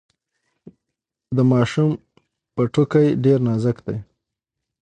د ماشوم پوټکی ډیر نازک دی۔